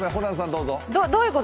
どういうこと？